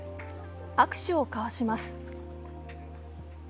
握手を交わします。